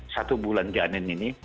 satu bulan janin ini